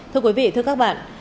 thưa quý vị thưa các bạn